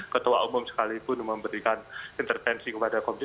ketua umum sekalipun memberikan intervensi kepada komite